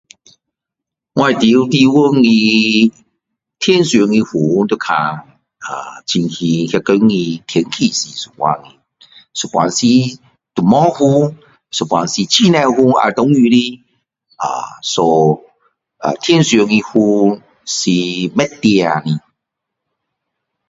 我住地方的天上的云就较视乎一天的天气是怎样的有时候有时都没有云有时候很多云要下雨的啊 So 天上的云是不一定的